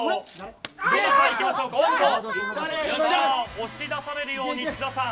押し出されるように津田さん。